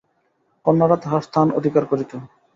কন্যারা তাঁহার স্থান অধিকার করিত।